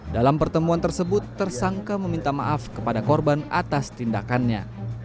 dalam pertemuan tersebut tersangka meminta maaf kepada korban atas tindakannya